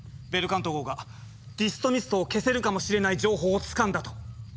ベルカント号がディストミストを消せるかもしれない情報をつかんだと。